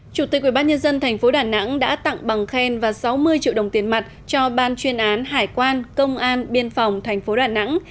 chủ tịch ubnd tp đà nẵng đã tặng bằng khen và sáu mươi triệu đồng tiền mặt cho ban chuyên án hải quan công an biên phòng tp đà nẵng